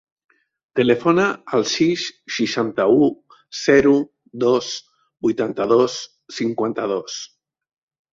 Telefona al sis, seixanta-u, zero, dos, vuitanta-dos, cinquanta-dos.